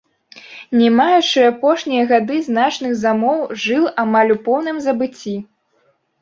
Не маючы ў апошнія гады значных замоў, жыл амаль у поўным забыцці.